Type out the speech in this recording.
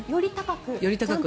より高く。